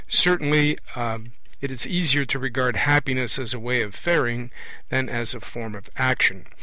Certainly it is easier to regard happiness as a way of faring than as a form of action.